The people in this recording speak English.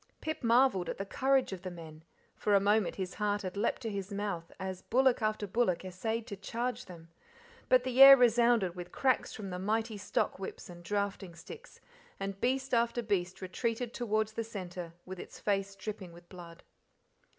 Pip marvelled at the courage of the men; for a moment his heart had leaped to his mouth as bullock after bullock essayed to charge them, but the air resounded with cracks from the mighty stock whips and drafting sticks, and beast after beast retreated towards the centre with its face dripping with blood.